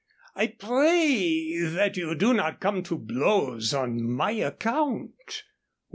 I pray that you do not come to blows on my account.